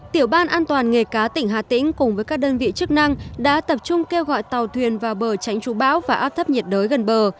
tiểu ban an toàn nghề cá tỉnh hà tĩnh cùng với các đơn vị chức năng đã tập trung kêu gọi tàu thuyền vào bờ tránh chú bão và áp thấp nhiệt đới gần bờ